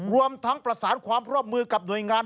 รวมทั้งประสานความร่วมมือกับหน่วยงาน